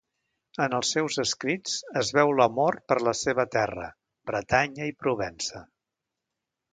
En els seus escrits, es veu l'amor per la seva terra, Bretanya i Provença.